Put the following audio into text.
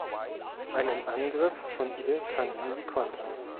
Einen Angriff von ihr kann Nie kontern.